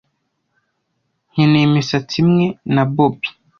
Nkeneye imisatsi imwe na bobby.